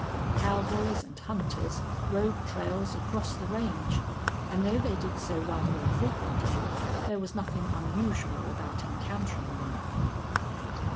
Cowboys and hunters rode trails across the range, and though they did so rather infrequently, there was nothing unusual about encountering them.